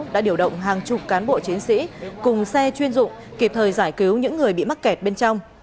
đã điều động hàng chục cán bộ chiến sĩ cùng xe chuyên dụng kịp thời giải cứu những người bị mắc kẹt bên trong